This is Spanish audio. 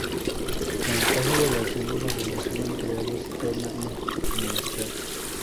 Con el paso de los años la relación entre ambos se torna en enemistad.